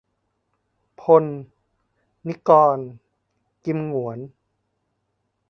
พล นิกร กิมหงวน